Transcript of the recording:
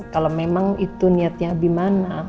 kalau memang itu niatnya gimana